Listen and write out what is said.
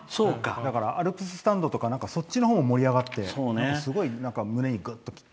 だからアルプススタンドとかそっちのほうが盛り上がってすごい胸にぐっときた。